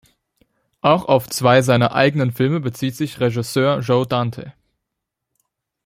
Auch auf zwei seiner eigenen Filme bezieht sich Regisseur Joe Dante.